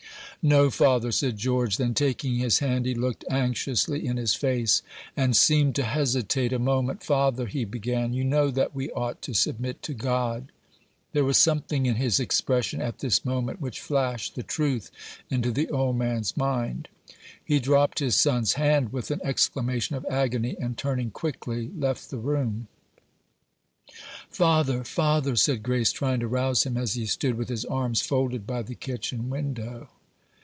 "No, father," said George; then taking his hand, he looked anxiously in his face, and seemed to hesitate a moment. "Father," he began, "you know that we ought to submit to God." There was something in his expression at this moment which flashed the truth into the old man's mind. He dropped his son's hand with an exclamation of agony, and turning quickly, left the room. "Father! father!" said Grace, trying to rouse him, as he stood with his arms folded by the kitchen window.